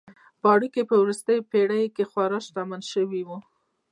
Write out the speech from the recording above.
پاړکي په وروستیو پېړیو کې خورا شتمن شوي وو.